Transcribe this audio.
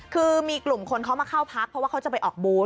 คือมีกลุ่มคนเขามาเข้าพักเพราะว่าเขาจะไปออกบูธ